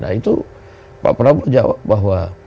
nah itu pak prabowo jawab bahwa